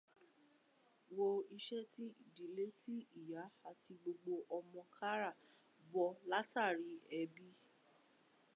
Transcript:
Wo iṣẹ́ ti ìdílé tí ìyá àti gbogbo ọmọ kara bọ látàrí ebi.